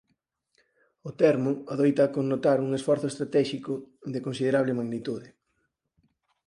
O termo adoita connotar un esforzo estratéxico de considerable magnitude.